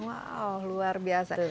wow luar biasa